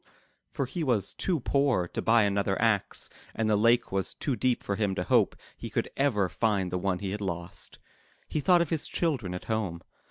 *' For he was too poor to buy another axe and the lake was too deep for him to hope he could ever find the one he had lost. He thought of his children at home.